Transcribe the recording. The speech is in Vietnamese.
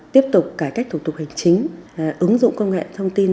tiếp tục cải cách thủ tục hành chính ứng dụng công nghệ thông tin